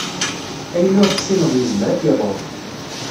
Ayen ur tessineḍ yezmer ad k-iḍurr.